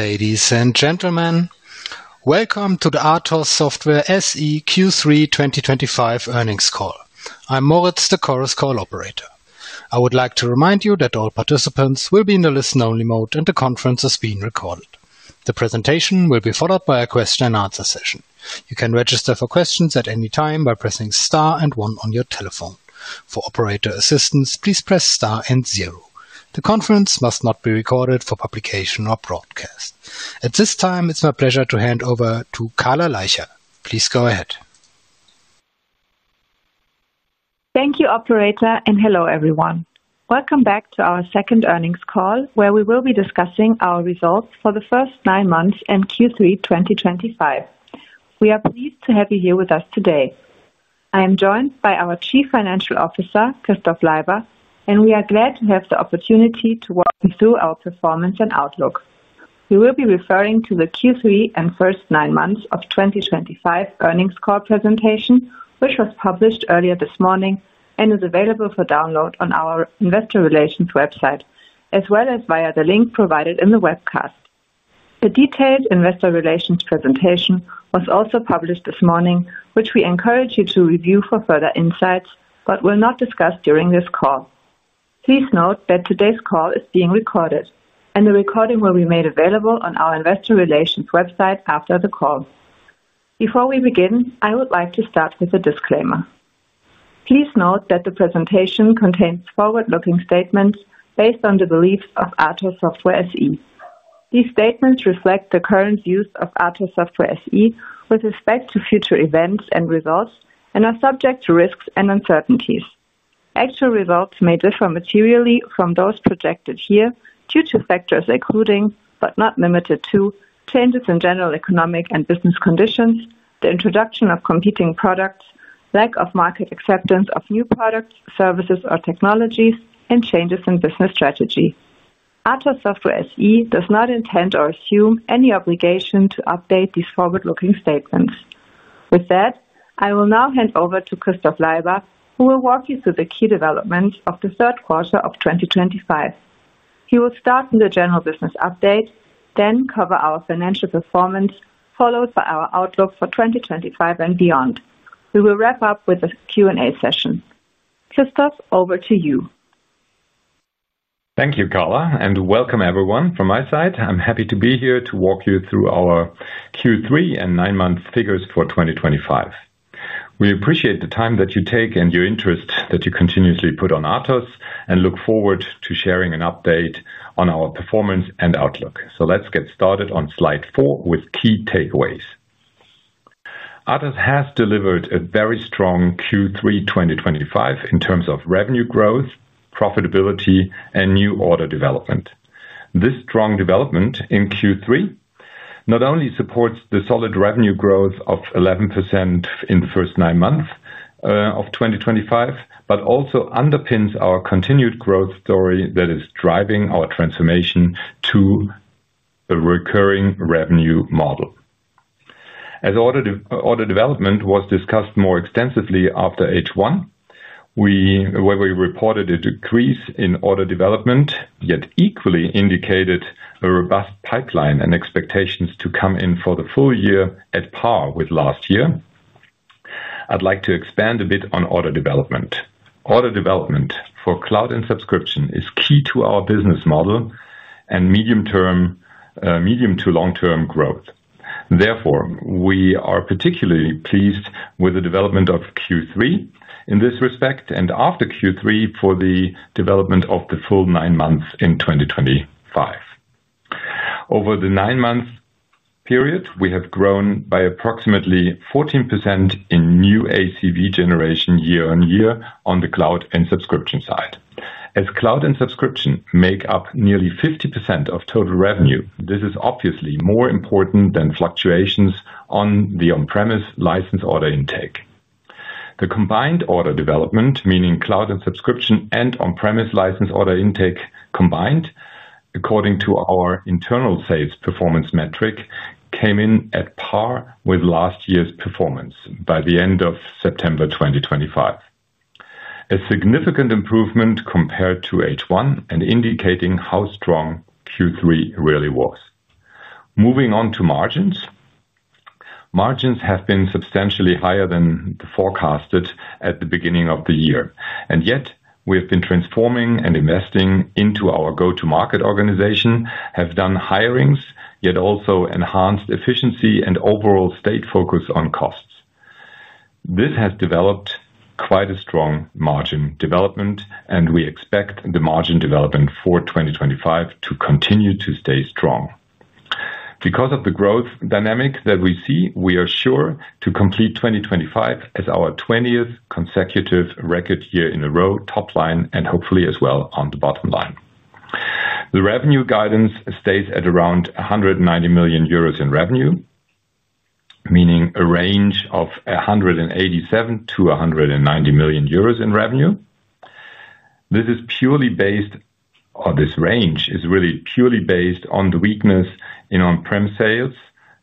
Ladies and gentlemen, welcome to the ATOSS Software SE Q3 2025 earnings call. I'm Moritz, the Chorus call operator. I would like to remind you that all participants will be in the listen-only mode and the conference is being recorded. The presentation will be followed by a question and answer session. You can register for questions at any time by pressing star and one on your telephone. For operator assistance, please press star and zero. The conference must not be recorded for publication or broadcast. At this time, it's my pleasure to hand over to Carla Leicher. Please go ahead. Thank you, operator, and hello everyone. Welcome back to our second earnings call, where we will be discussing our results for the first nine months in Q3 2025. We are pleased to have you here with us today. I am joined by our Chief Financial Officer, Christof Leiber, and we are glad to have the opportunity to walk you through our performance and outlook. We will be referring to the Q3 and first nine months of 2025 earnings call presentation, which was published earlier this morning and is available for download on our Investor Relations website, as well as via the link provided in the webcast. The detailed Investor Relations presentation was also published this morning, which we encourage you to review for further insights, but will not discuss during this call. Please note that today's call is being recorded, and the recording will be made available on our Investor Relations website after the call. Before we begin, I would like to start with a disclaimer. Please note that the presentation contains forward-looking statements based on the beliefs of ATOSS Software SE. These statements reflect the current views of ATOSS Software SE with respect to future events and results and are subject to risks and uncertainties. Actual results may differ materially from those projected here due to factors including, but not limited to, changes in general economic and business conditions, the introduction of competing products, lack of market acceptance of new products, services, or technologies, and changes in business strategy. ATOSS Software SE does not intend or assume any obligation to update these forward-looking statements. With that, I will now hand over to Christof Leiber, who will walk you through the key developments of the third quarter of 2025. He will start with a general business update, then cover our financial performance, followed by our outlook for 2025 and beyond. We will wrap up with a Q&A session. Christof, over to you. Thank you, Carla, and welcome everyone from my side. I'm happy to be here to walk you through our Q3 and nine-month figures for 2025. We appreciate the time that you take and your interest that you continuously put on ATOSS Software SE and look forward to sharing an update on our performance and outlook. Let's get started on slide four with key takeaways. ATOSS Software SE has delivered a very strong Q3 2025 in terms of revenue growth, profitability, and new order development. This strong development in Q3 not only supports the solid revenue growth of 11% in the first nine months of 2025, but also underpins our continued growth story that is driving our transformation to a recurring revenue model. As order development was discussed more extensively after H1, where we reported a decrease in order development, yet equally indicated a robust pipeline and expectations to come in for the full year at par with last year. I'd like to expand a bit on order development. Order development for cloud and subscriptions is key to our business model and medium-to-long-term growth. Therefore, we are particularly pleased with the development of Q3 in this respect, and after Q3 for the development of the full nine months in 2025. Over the nine-month period, we have grown by approximately 14% in new ACV generation year on year on the cloud and subscriptions side. As cloud and subscriptions make up nearly 50% of total revenue, this is obviously more important than fluctuations on the on-premise license order intake. The combined order development, meaning cloud and subscriptions and on-premise license order intake combined, according to our internal sales performance metric, came in at par with last year's performance by the end of September 2025. A significant improvement compared to H1 and indicating how strong Q3 really was. Moving on to margins, margins have been substantially higher than the forecast at the beginning of the year. We have been transforming and investing into our go-to-market organization, have done hirings, yet also enhanced efficiency and overall stayed focused on costs. This has developed quite a strong margin development, and we expect the margin development for 2025 to continue to stay strong. Because of the growth dynamic that we see, we are sure to complete 2025 as our 20th consecutive record year in a row top line and hopefully as well on the bottom line. The revenue guidance stays at around €190 million in revenue, meaning a range of €187 to €190 million in revenue. This is purely based, or this range is really purely based on the weakness in on-premise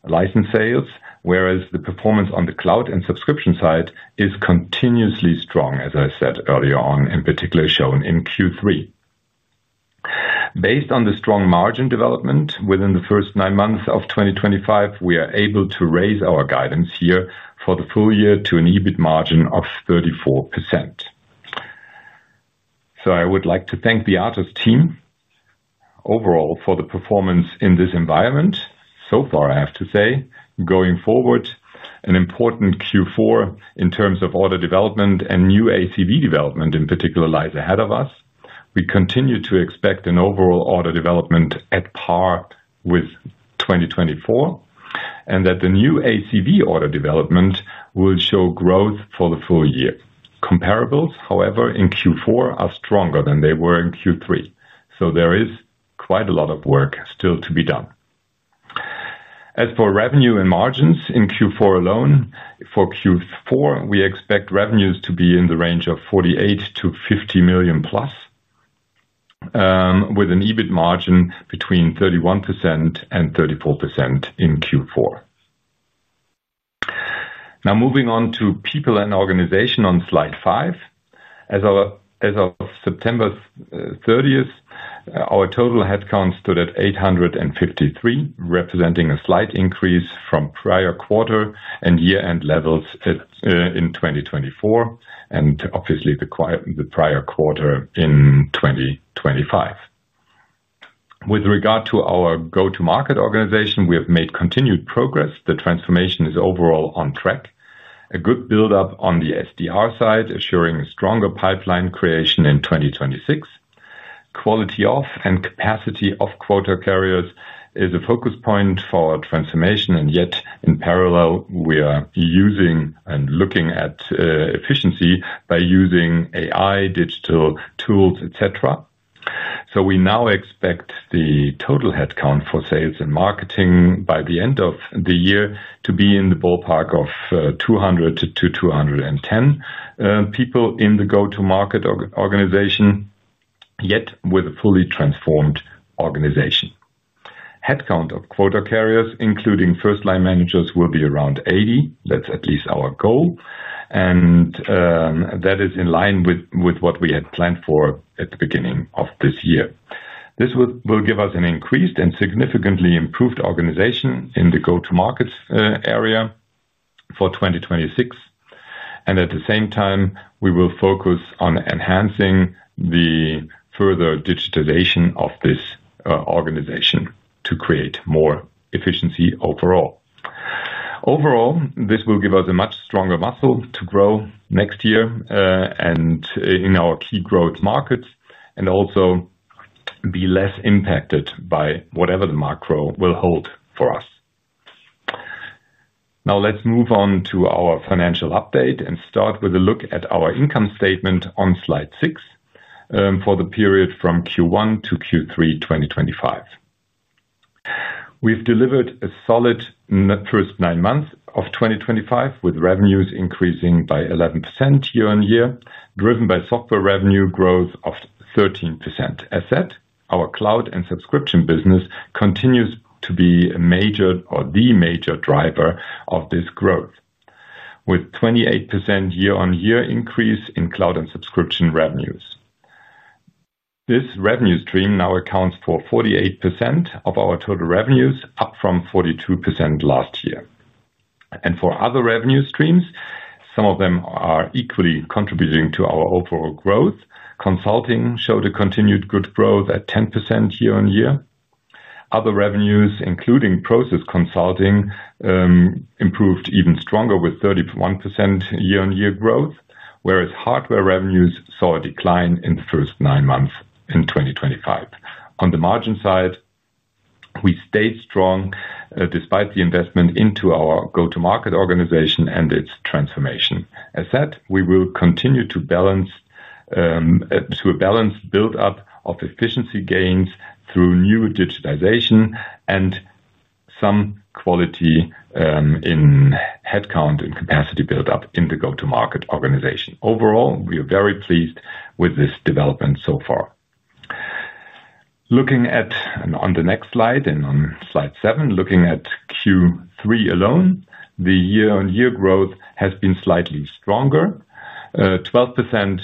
license sales, whereas the performance on the cloud and subscription side is continuously strong, as I said earlier on, in particular shown in Q3. Based on the strong margin development within the first nine months of 2025, we are able to raise our guidance here for the full year to an EBIT margin of 34%. I would like to thank the ATOSS team overall for the performance in this environment. I have to say, going forward, an important Q4 in terms of order development and new ACV development in particular lies ahead of us. We continue to expect an overall order development at par with 2024, and that the new ACV order development will show growth for the full year. Comparables, however, in Q4 are stronger than they were in Q3. There is quite a lot of work still to be done. As for revenue and margins in Q4 alone, for Q4, we expect revenues to be in the range of €48 to €50 million plus, with an EBIT margin between 31% and 34% in Q4. Now moving on to people and organization on slide five. As of September 30, our total headcount stood at 853, representing a slight increase from prior quarter and year-end levels in 2024, and obviously the prior quarter in 2025. With regard to our go-to-market organization, we have made continued progress. The transformation is overall on track. A good buildup on the SDR side, assuring a stronger pipeline creation in 2026. Quality of and capacity of quota carriers is a focus point for transformation, and yet in parallel, we are using and looking at efficiency by using AI, digital tools, et cetera. We now expect the total headcount for sales and marketing by the end of the year to be in the ballpark of 200 to 210 people in the go-to-market organization, yet with a fully transformed organization. Headcount of quota carriers, including first-line managers, will be around 80. That's at least our goal, and that is in line with what we had planned for at the beginning of this year. This will give us an increased and significantly improved organization in the go-to-market area for 2026, and at the same time, we will focus on enhancing the further digitization of this organization to create more efficiency overall. Overall, this will give us a much stronger muscle to grow next year and in our key growth markets, and also be less impacted by whatever the macro will hold for us. Now let's move on to our financial update and start with a look at our income statement on slide six for the period from Q1 to Q3 2025. We've delivered a solid first nine months of 2025 with revenues increasing by 11% year on year, driven by software revenue growth of 13%. As said, our cloud and subscription business continues to be a major or the major driver of this growth, with a 28% year-on-year increase in cloud and subscription revenues. This revenue stream now accounts for 48% of our total revenues, up from 42% last year. For other revenue streams, some of them are equally contributing to our overall growth. Consulting showed a continued good growth at 10% year on year. Other revenues, including process consulting, improved even stronger with 31% year-on-year growth, whereas hardware revenues saw a decline in the first nine months in 2025. On the margin side, we stayed strong despite the investment into our go-to-market organization and its transformation. As said, we will continue to balance through a balanced buildup of efficiency gains through new digitization and some quality in headcount and capacity buildup in the go-to-market organization. Overall, we are very pleased with this development so far. Looking at the next slide, and on slide seven, looking at Q3 alone, the year-on-year growth has been slightly stronger: 12%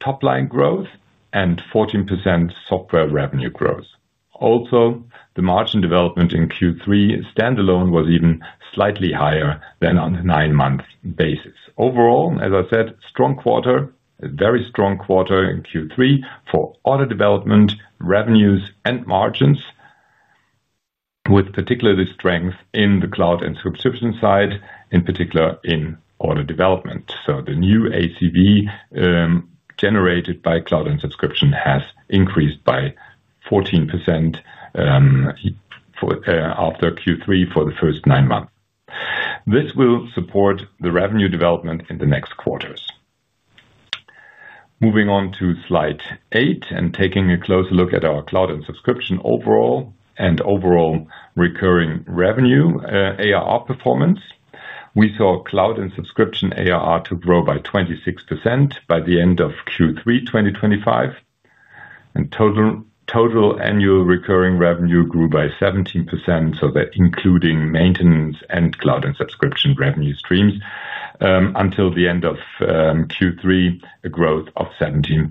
top-line growth and 14% software revenue growth. Also, the margin development in Q3 standalone was even slightly higher than on a nine-month basis. Overall, as I said, strong quarter, a very strong quarter in Q3 for auto-development revenues and margins, with particularly strength in the cloud and subscription side, in particular in auto-development. The new ACV generated by cloud and subscription has increased by 14% after Q3 for the first nine months. This will support the revenue development in the next quarters. Moving on to slide eight and taking a closer look at our cloud and subscription overall and overall recurring revenue ARR performance, we saw cloud and subscription ARR grow by 26% by the end of Q3 2025, and total annual recurring revenue grew by 17%. That, including maintenance and cloud and subscription revenue streams, until the end of Q3, a growth of 17%.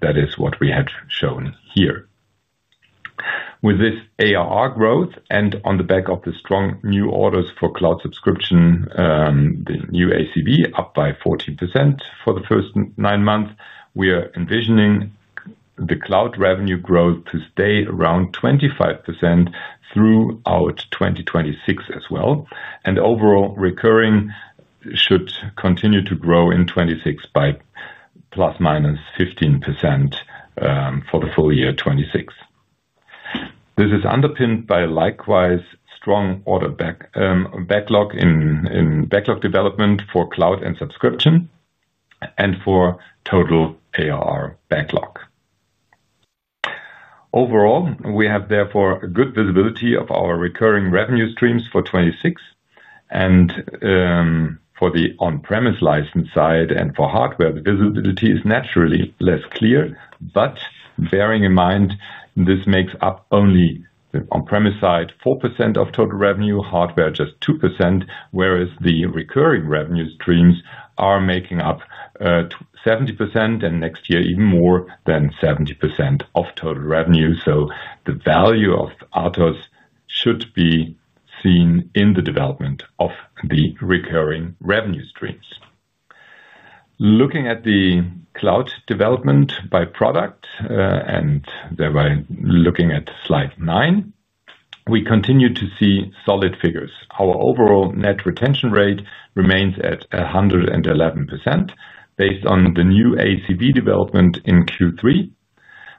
That is what we had shown here. With this ARR growth and on the back of the strong new orders for cloud subscription, the new ACV up by 14% for the first nine months, we are envisioning the cloud revenue growth to stay around 25% throughout 2026 as well. Overall, recurring should continue to grow in 2026 by plus minus 15% for the full year 2026. This is underpinned by a likewise strong backlog development for cloud and subscription and for total ARR backlog. Overall, we have therefore a good visibility of our recurring revenue streams for 2026. For the on-premise license side and for hardware, the visibility is naturally less clear. Bearing in mind, this makes up only the on-premise side 4% of total revenue, hardware just 2%, whereas the recurring revenue streams are making up 70% and next year even more than 70% of total revenue. The value of ATOSS Software SE should be seen in the development of the recurring revenue streams. Looking at the cloud development by product, and thereby looking at slide nine, we continue to see solid figures. Our overall net retention rate remains at 111% based on the new ACV development in Q3.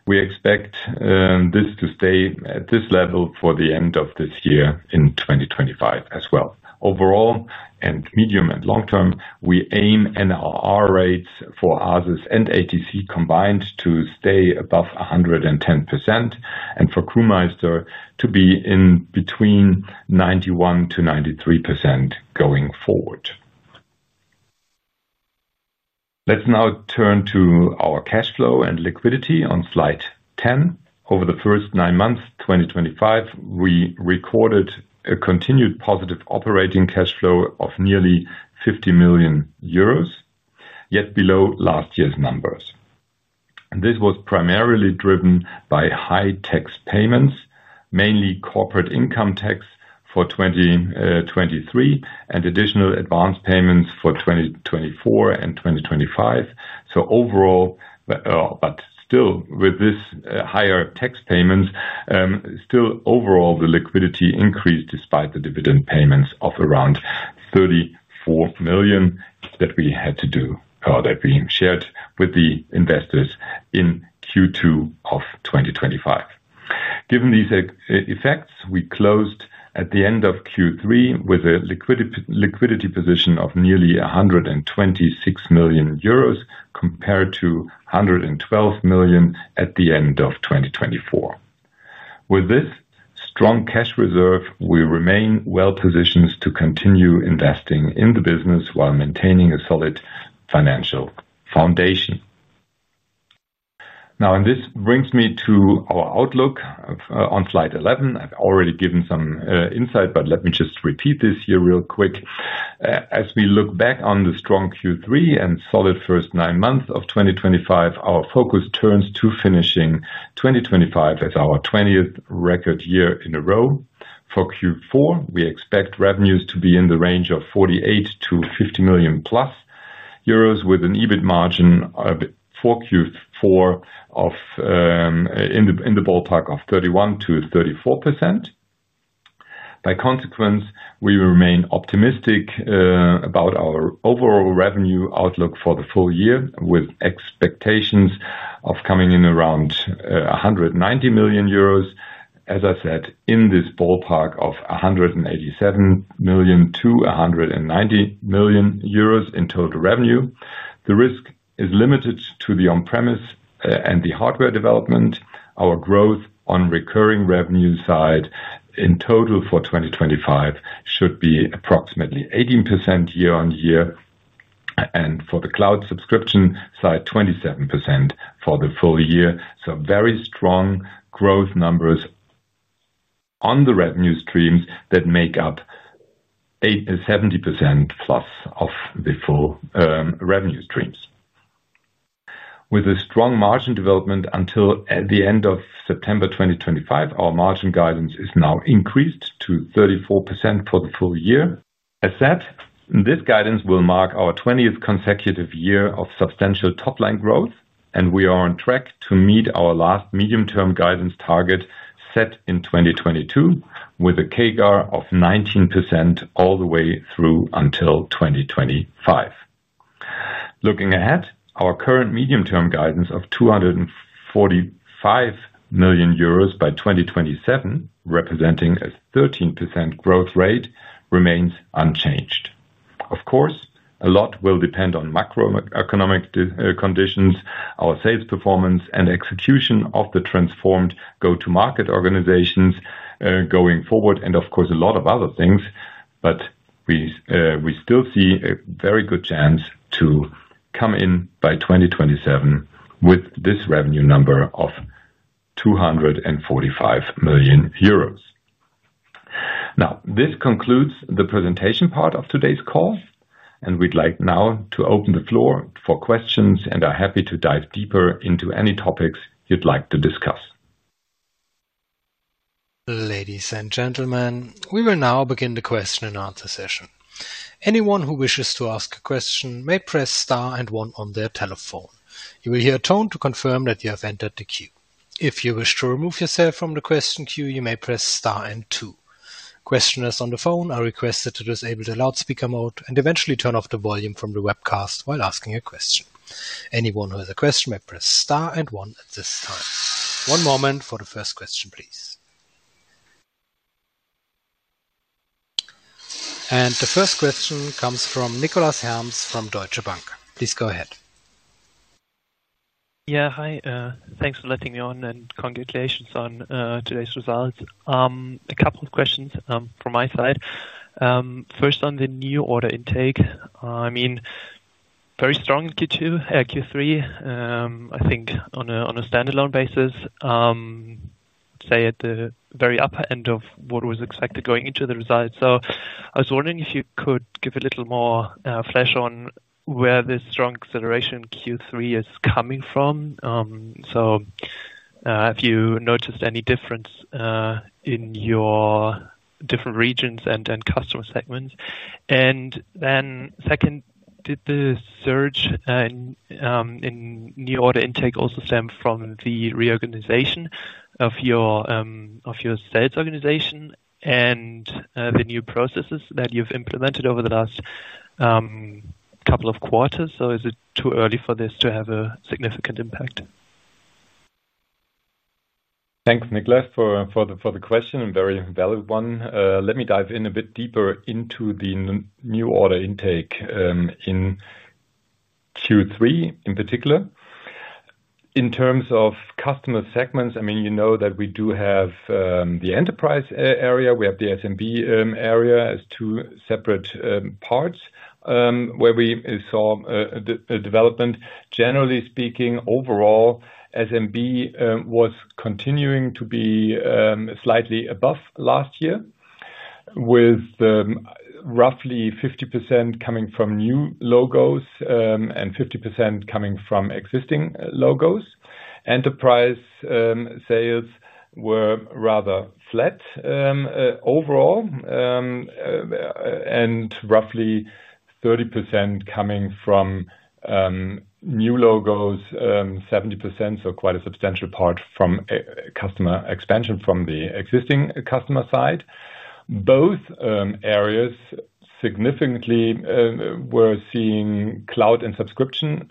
We expect this to stay at this level for the end of this year in 2025 as well. Overall, and medium and long term, we aim NRR rates for ASUS and ATC combined to stay above 110% and for Kumeister to be in between 91%-93% going forward. Let's now turn to our cash flow and liquidity on slide 10. Over the first nine months of 2025, we recorded a continued positive operating cash flow of nearly €50 million, yet below last year's numbers. This was primarily driven by high tax payments, mainly corporate income tax for 2023 and additional advanced payments for 2024 and 2025. Still with these higher tax payments, overall the liquidity increased despite the dividend payments of around €34 million that we had to do, or that we shared with the investors in Q2 of 2025. Given these effects, we closed at the end of Q3 with a liquidity position of nearly €126 million compared to €112 million at the end of 2024. With this strong cash reserve, we remain well-positioned to continue investing in the business while maintaining a solid financial foundation. Now, and this brings me to our outlook on slide 11. I've already given some insight, but let me just repeat this here real quick. As we look back on the strong Q3 and solid first nine months of 2025, our focus turns to finishing 2025 as our 20th record year in a row. For Q4, we expect revenues to be in the range of €48 million-€50 million, with an EBIT margin for Q4 in the ballpark of 31%-34%. By consequence, we remain optimistic about our overall revenue outlook for the full year, with expectations of coming in around €190 million. As I said, in this ballpark of €187 million-€190 million in total revenue, the risk is limited to the on-premise and the hardware development. Our growth on the recurring revenue side in total for 2025 should be approximately 18% year on year, and for the cloud and subscription side, 27% for the full year. Very strong growth numbers on the revenue streams that make up 70% plus of the full revenue streams. With a strong margin development until the end of September 2025, our margin guidance is now increased to 34% for the full year. As said, this guidance will mark our 20th consecutive year of substantial top-line growth, and we are on track to meet our last medium-term guidance target set in 2022 with a CAGR of 19% all the way through until 2025. Looking ahead, our current medium-term guidance of €245 million by 2027, representing a 13% growth rate, remains unchanged. Of course, a lot will depend on macroeconomic conditions, our sales performance, and execution of the transformed go-to-market organization going forward, and a lot of other things. We still see a very good chance to come in by 2027 with this revenue number of €245 million. Now, this concludes the presentation part of today's call, and we'd like now to open the floor for questions and are happy to dive deeper into any topics you'd like to discuss. Ladies and gentlemen, we will now begin the question and answer session. Anyone who wishes to ask a question may press star and one on their telephone. You will hear a tone to confirm that you have entered the queue. If you wish to remove yourself from the question queue, you may press star and two. Questioners on the phone are requested to disable the loudspeaker mode and eventually turn off the volume from the webcast while asking a question. Anyone who has a question may press star and one at this time. One moment for the first question, please. The first question comes from Nicolas Herms from Deutsche Bank. Please go ahead. Yeah, hi. Thanks for letting me on and congratulations on today's results. A couple of questions from my side. First, on the new order intake, I mean, very strong in Q3. I think on a standalone basis, at the very upper end of what was expected going into the results. I was wondering if you could give a little more flesh on where this strong acceleration in Q3 is coming from, if you noticed any difference in your different regions and customer segments. Second, did the surge in new order intake also stem from the reorganization of your sales organization and the new processes that you've implemented over the last couple of quarters? Is it too early for this to have a significant impact? Thanks, Nicolas, for the question and very valid one. Let me dive in a bit deeper into the new order intake in Q3 in particular. In terms of customer segments, I mean, you know that we do have the enterprise area. We have the SMB area as two separate parts where we saw a development. Generally speaking, overall, SMB was continuing to be slightly above last year, with roughly 50% coming from new logos and 50% coming from existing logos. Enterprise sales were rather flat overall, and roughly 30% coming from new logos, 70%, so quite a substantial part from customer expansion from the existing customer side. Both areas significantly were seeing cloud and subscription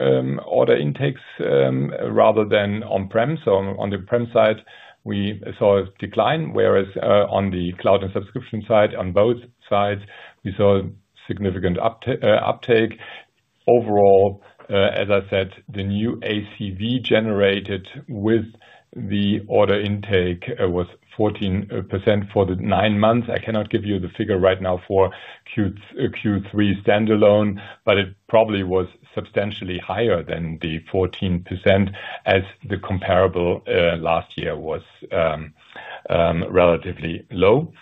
order intakes rather than on-prem. On the prem side, we saw a decline, whereas on the cloud and subscription side, on both sides, we saw significant uptake. Overall, as I said, the new ACV generated with the order intake was 14% for the nine months. I cannot give you the figure right now for Q3 standalone, but it probably was substantially higher than the 14% as the comparable last year was relatively low.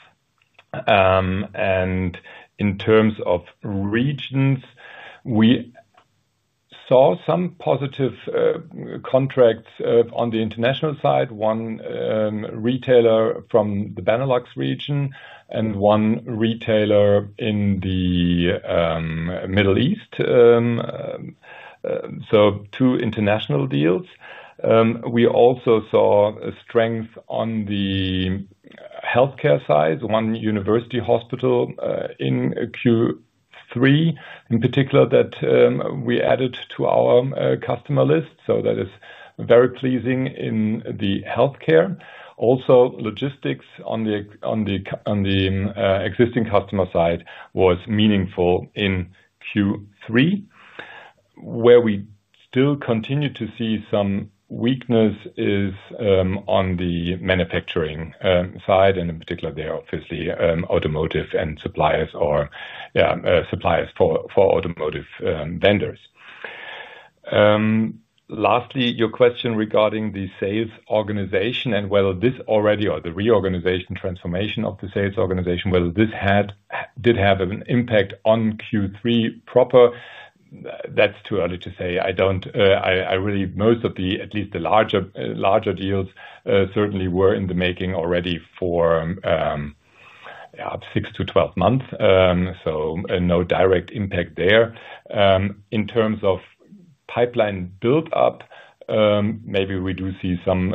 In terms of regions, we saw some positive contracts on the international side, one retailer from the Benelux region and one retailer in the Middle East, so two international deals. We also saw strength on the healthcare side, one university hospital in Q3 in particular that we added to our customer list. That is very pleasing in the healthcare. Also, logistics on the existing customer side was meaningful in Q3. Where we still continue to see some weakness is on the manufacturing side, and in particular, there obviously automotive and suppliers or suppliers for automotive vendors. Lastly, your question regarding the sales organization and whether this already or the reorganization transformation of the sales organization, whether this did have an impact on Q3 proper, that's too early to say. I don't, I really, most of the, at least the larger deals certainly were in the making already for 6 to 12 months. No direct impact there. In terms of pipeline buildup, maybe we do see some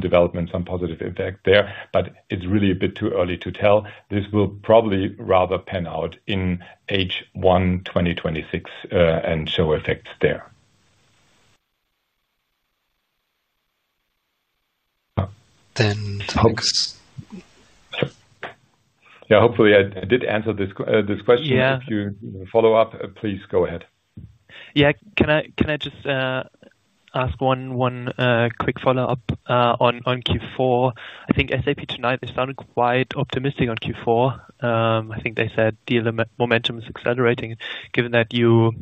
development, some positive impact there, but it's really a bit too early to tell. This will probably rather pan out in H1 2026 and show effects there. Yeah, hopefully I did answer this question. If you follow up, please go ahead. Yeah, can I just ask one quick follow-up on Q4? I think SAP tonight, they sounded quite optimistic on Q4. I think they said deal momentum is accelerating. Given that you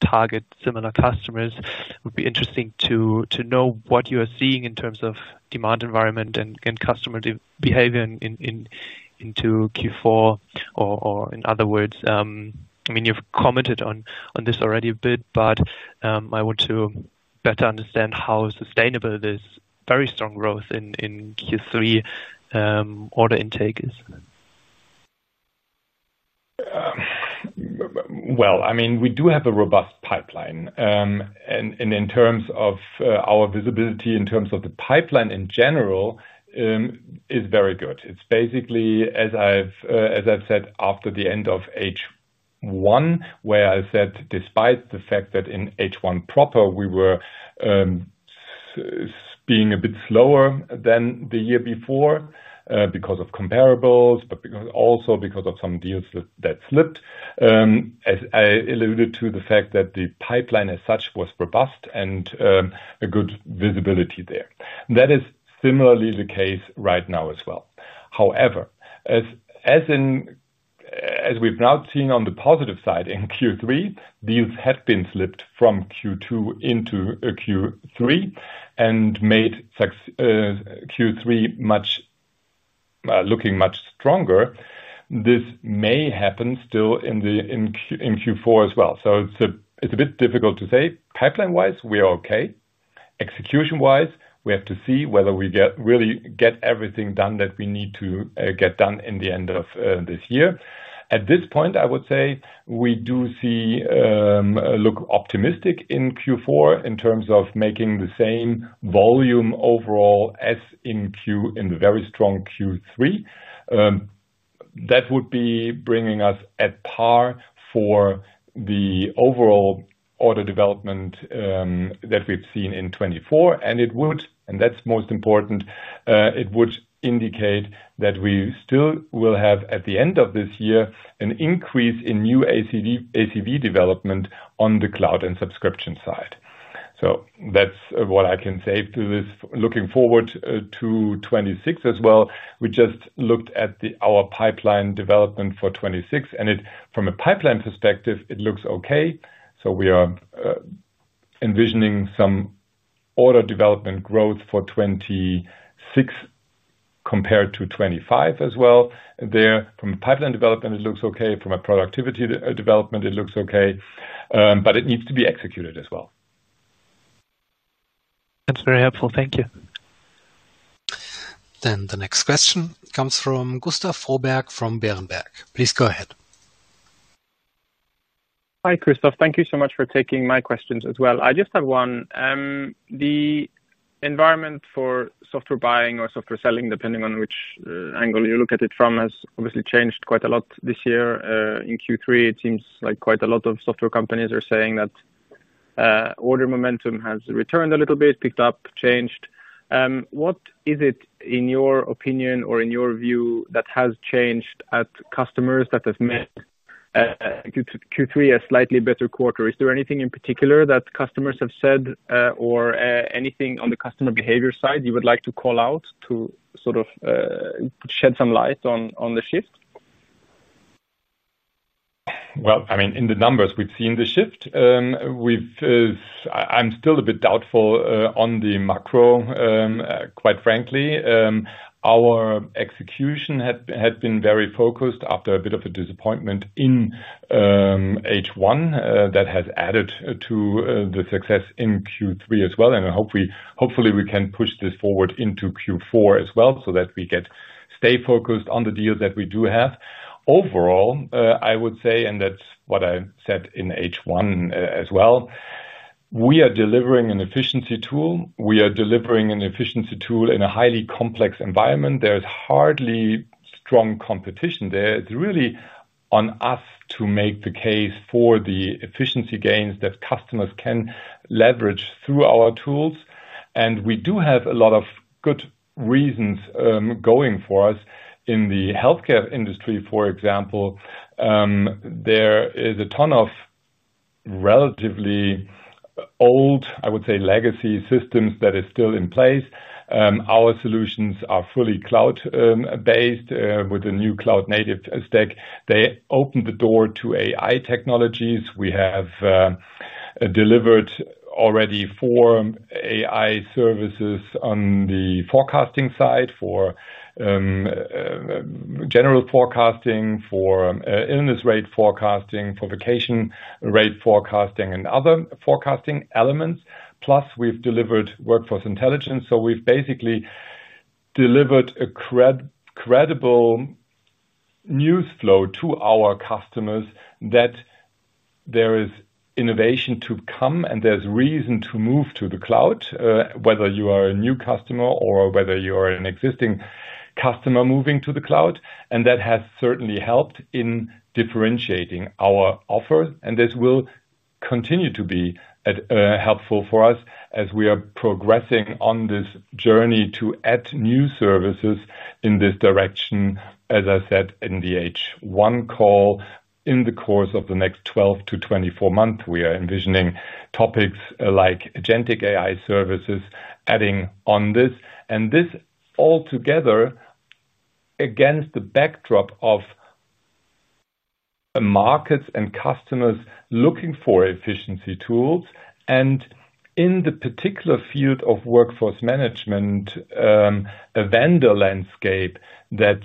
target similar customers, it would be interesting to know what you are seeing in terms of demand environment and customer behavior into Q4. In other words, I mean, you've commented on this already a bit, but I want to better understand how sustainable this very strong growth in Q3 order intake is. I mean, we do have a robust pipeline. In terms of our visibility, in terms of the pipeline in general, it's very good. It's basically, as I've said, after the end of H1, where I said, despite the fact that in H1 proper, we were being a bit slower than the year before because of comparables, but also because of some deals that slipped. As I alluded to the fact that the pipeline as such was robust and a good visibility there. That is similarly the case right now as well. However, as we've now seen on the positive side in Q3, deals had been slipped from Q2 into Q3 and made Q3 looking much stronger. This may happen still in Q4 as well. It's a bit difficult to say. Pipeline-wise, we are okay. Execution-wise, we have to see whether we really get everything done that we need to get done in the end of this year. At this point, I would say we do look optimistic in Q4 in terms of making the same volume overall as in the very strong Q3. That would be bringing us at par for the overall order development that we've seen in 2024. That's most important, it would indicate that we still will have, at the end of this year, an increase in new ACV development on the cloud and subscription side. That's what I can say to this, looking forward to 2026 as well. We just looked at our pipeline development for 2026, and from a pipeline perspective, it looks okay. We are envisioning some order development growth for 2026 compared to 2025 as well. There, from a pipeline development, it looks okay. From a productivity development, it looks okay. It needs to be executed as well. That's very helpful. Thank you. The next question comes from Gustav Forberg from Berenberg. Please go ahead. Hi, Christof. Thank you so much for taking my questions as well. I just have one. The environment for software buying or software selling, depending on which angle you look at it from, has obviously changed quite a lot this year. In Q3, it seems like quite a lot of software companies are saying that order momentum has returned a little bit, picked up, changed. What is it, in your opinion or in your view, that has changed at customers that have met Q3 a slightly better quarter? Is there anything in particular that customers have said or anything on the customer behavior side you would like to call out to sort of shed some light on the shift? In the numbers, we've seen the shift. I'm still a bit doubtful on the macro, quite frankly. Our execution had been very focused after a bit of a disappointment in H1 that has added to the success in Q3 as well. I hope, hopefully, we can push this forward into Q4 as well so that we stay focused on the deals that we do have. Overall, I would say, and that's what I said in H1 as well, we are delivering an efficiency tool. We are delivering an efficiency tool in a highly complex environment. There's hardly strong competition there. It's really on us to make the case for the efficiency gains that customers can leverage through our tools. We do have a lot of good reasons going for us. In the healthcare industry, for example, there is a ton of relatively old, I would say, legacy systems that are still in place. Our solutions are fully cloud-based with a new cloud-native stack. They open the door to AI technologies. We have delivered already four AI services on the forecasting side for general forecasting, for illness rate forecasting, for vacation rate forecasting, and other forecasting elements. Plus, we've delivered workforce intelligence. We've basically delivered a credible news flow to our customers that there is innovation to come and there's reason to move to the cloud, whether you are a new customer or whether you are an existing customer moving to the cloud. That has certainly helped in differentiating our offer. This will continue to be helpful for us as we are progressing on this journey to add new services in this direction. As I said, in the H1 call, in the course of the next 12 to 24 months, we are envisioning topics like agentic AI services adding on this. This altogether against the backdrop of markets and customers looking for efficiency tools. In the particular field of workforce management, a vendor landscape that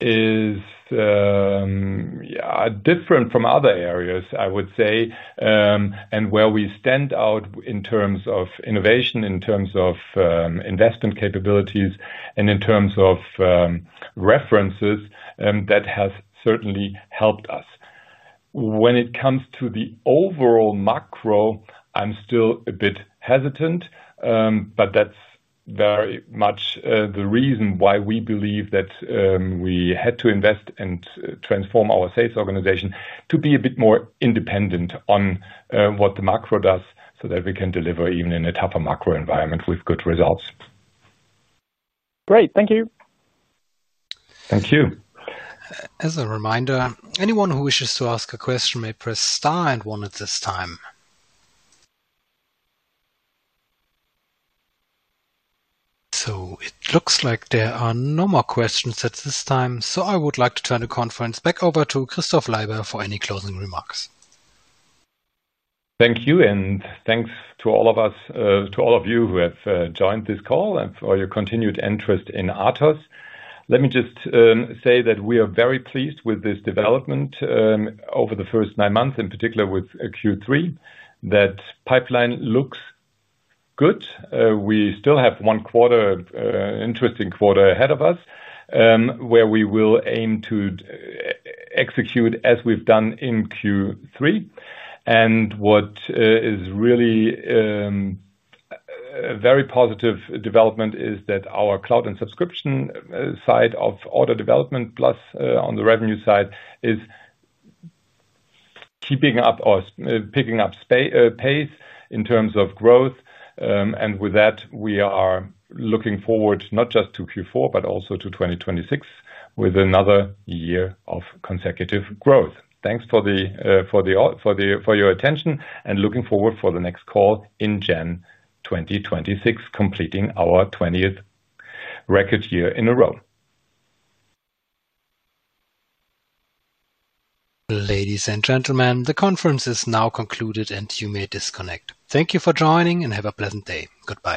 is different from other areas, I would say, and where we stand out in terms of innovation, in terms of investment capabilities, and in terms of references, that has certainly helped us. When it comes to the overall macro, I'm still a bit hesitant, but that's very much the reason why we believe that we had to invest and transform our sales organization to be a bit more independent on what the macro does so that we can deliver even in a tougher macro environment with good results. Great. Thank you. Thank you. As a reminder, anyone who wishes to ask a question may press star and one at this time. It looks like there are no more questions at this time. I would like to turn the conference back over to Christof Leiber for any closing remarks. Thank you, and thanks to all of you who have joined this call and for your continued interest in ATOSS Software SE. Let me just say that we are very pleased with this development over the first nine months, in particular with Q3. That pipeline looks good. We still have one quarter, an interesting quarter ahead of us where we will aim to execute as we've done in Q3. What is really a very positive development is that our cloud and subscription side of order development plus on the revenue side is keeping up or picking up pace in terms of growth. With that, we are looking forward not just to Q4, but also to 2026 with another year of consecutive growth. Thanks for your attention and looking forward for the next call in January 2026, completing our 20th record year in a row. Ladies and gentlemen, the conference is now concluded and you may disconnect. Thank you for joining and have a pleasant day. Goodbye.